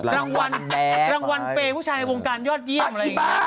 วงการยอดเยี่ยม